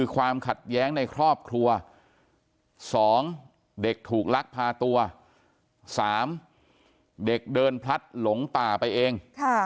ความขัดแย้งในครอบครัว๒เด็กถูกลักพาตัว๓เด็กเดินพลัดหลงป่าไปเอง